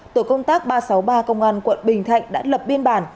tổ công tác ba trăm sáu mươi ba công an quận bình thạnh đã lập biên bản